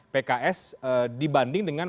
pks dibanding dengan